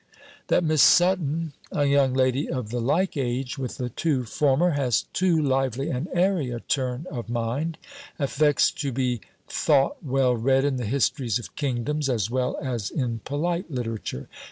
That Miss Sutton, a young lady of the like age with the two former, has too lively and airy a turn of mind; affects to be thought well read in the histories of kingdoms, as well as in polite literature.